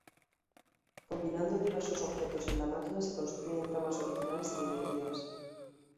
Combinando diversos objetos en la máquina se construyen tramas originales y divertidas.